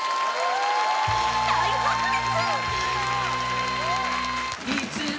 大白熱！